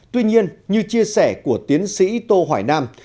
tuy nhiên như chia sẻ của tiến sĩ tô hoài nam